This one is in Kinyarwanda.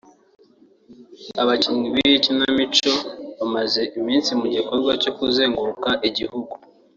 Abakinnyi b’iyi kinamico bamaze iminsi mu gikorwa cyo kuzenguruka igihugu